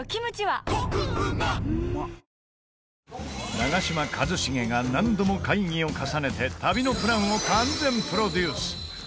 長嶋一茂が何度も会議を重ねて旅のプランを完全プロデュース